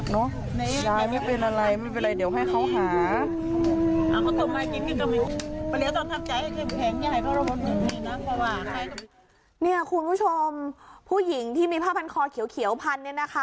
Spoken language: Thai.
คุณผู้ชมผู้หญิงที่มีผ้าพันคอเขียวพันเนี่ยนะคะ